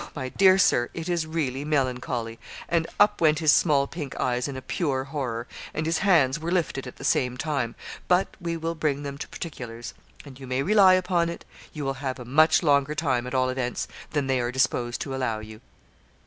my dear Sir, it is really melancholy!' and up went his small pink eyes in a pure horror, and his hands were lifted at the same time; 'but we will bring them to particulars; and you may rely upon it, you will have a much longer time, at all events, than they are disposed to allow you.'